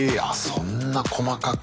そんな細かく。